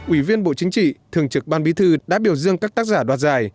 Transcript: ủy viên bộ chính trị thường trực ban bí thư đã biểu dương các tác giả đoạt giải